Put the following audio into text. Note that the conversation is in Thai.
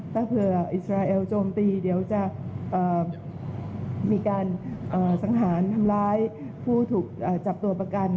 ถ้าเผื่ออิสราเอลโจมตีเดี๋ยวจะมีการสังหารทำร้ายผู้ถูกจับตัวประกัน